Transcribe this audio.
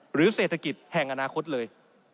หรือเศรษฐกิจแห่งอนาคตเลย